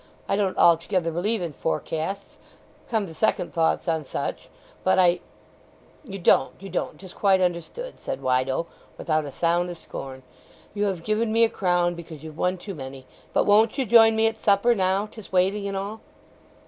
"I don't altogether believe in forecasts, come to second thoughts on such. But I—" "You don't—you don't—'tis quite understood," said Wide oh, without a sound of scorn. "You have given me a crown because you've one too many. But won't you join me at supper, now 'tis waiting and all?"